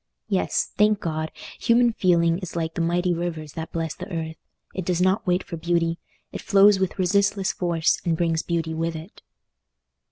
Yes! Thank God; human feeling is like the mighty rivers that bless the earth: it does not wait for beauty—it flows with resistless force and brings beauty with it.